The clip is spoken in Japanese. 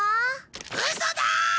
ウソだ！